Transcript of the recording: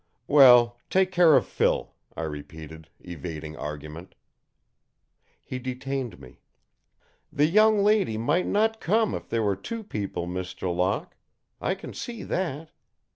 "Well, take care of Phil," I repeated, evading argument. He detained me. "The young lady might not come if there were two people, Mr. Locke. I can see that!